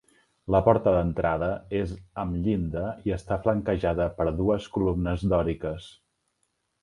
La porta d'entrada és amb llinda i està flanquejada per dues columnes dòriques.